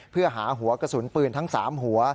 เพื่อหาหัวกระสุนปืนทั้ง๓หัว